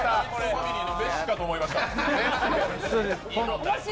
ファミリーのメッシかと思いました。